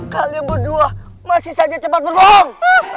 kalian berdua masih saja cepat berbohong